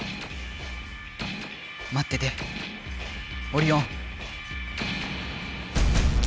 まっててオリオン！